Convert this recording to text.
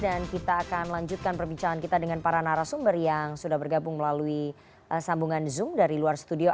dan kita akan lanjutkan perbincangan kita dengan para narasumber yang sudah bergabung melalui sambungan zoom dari luar studio